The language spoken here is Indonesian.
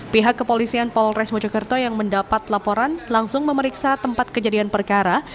pihak kepolisian polres mojokerto yang mendapat laporan langsung memeriksa tempat kejadian perkara